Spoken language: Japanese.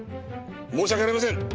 申し訳ありません！